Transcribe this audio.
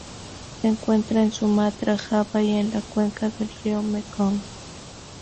Se encuentra en Sumatra, Java y en la cuenca del río Mekong.